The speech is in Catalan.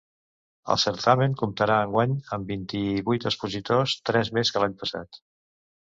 El certamen comptarà enguany amb vint-i-vuit expositors, tres més que l’any passat.